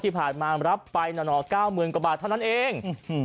ที่ผ่านมารับไปหน่อ๙๐๐กว่าบาทเท่านั้นเอง